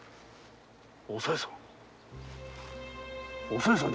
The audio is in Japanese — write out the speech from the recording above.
おさよさん。